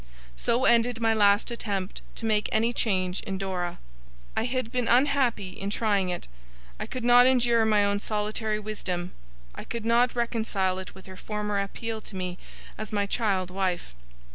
So ended my last attempt to make any change in Dora. I had been unhappy in trying it; I could not endure my own solitary wisdom; I could not reconcile it with her former appeal to me as my child wife.